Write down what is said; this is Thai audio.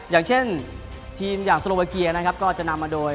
อย่างเช่นทีมสโลเวเกียก็จะนำมาโดย